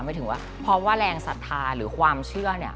ไม่ถึงว่าพอว่าแรงศาษาหรือความเชื่อ